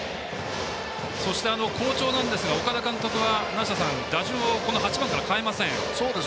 そして好調なんですが岡田監督は梨田さん打順を８番から変えません。